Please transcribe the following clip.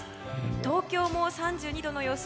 東京も３２度の予想。